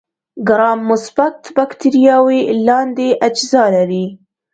ګرام مثبت بکټریاوې لاندې اجزا لري.